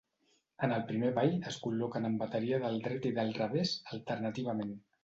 En el primer ball es col·loquen en bateria del dret i del revés, alternativament.